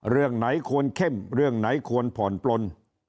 เรื่องไหนควรเข้มเรื่องไหนควรผ่อนปลน